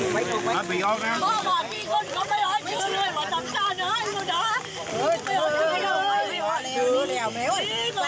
ไม่เอาไม่เอาไม่เอาแล้วนี่แล้วไม่เอา